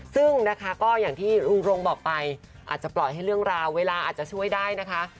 ซึ่งนะคะก็อย่างที่ลุงรงบอกไปอาจจะปล่อยให้เรื่องราวเวลาอาจจะช่วยได้นะคะ